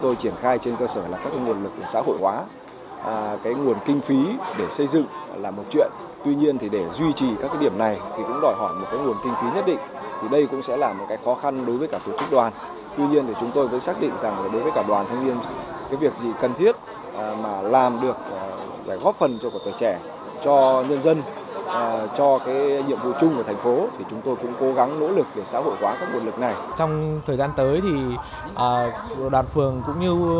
trong thời gian tới đoàn phường cũng như tri bộ của đoàn dân cư